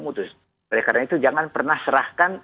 mutus oleh karena itu jangan pernah serahkan